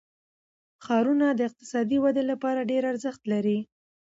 ښارونه د اقتصادي ودې لپاره ډېر ارزښت لري.